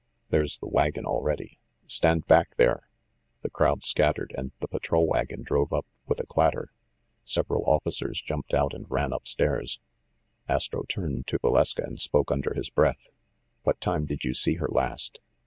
There's the wagon already. Stand back there!" The crowd scattered, and the patrol wagon drove up with a clatter. Several officers jumped out and ran up stairs. Astro turned to Valeska and spoke under his breath. "What time did you see her last?"